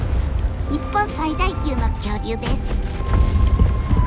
日本最大級の恐竜です。